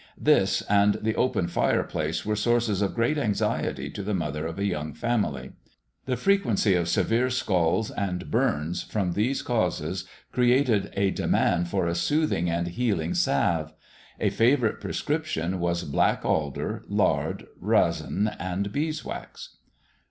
This and the open fire place were sources of great anxiety to the mother of a young family. The frequency of severe scalds and burns from these causes created a demand for a soothing and healing salve. A favourite prescription was black alder, lard, resin, and beeswax.